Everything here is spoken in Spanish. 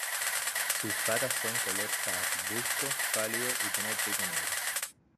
Sus patas son color pardusco pálido y tiene el pico negro.